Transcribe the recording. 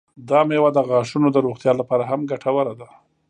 دا میوه د غاښونو د روغتیا لپاره هم ګټوره ده.